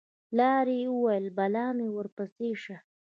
پلار یې وویل: بلا مې ورپسې شه